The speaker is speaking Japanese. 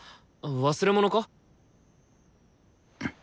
忘れ物か？